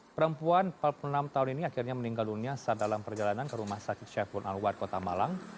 perempuan empat puluh enam tahun ini akhirnya meninggal dunia saat dalam perjalanan ke rumah sakit syaiful anwar kota malang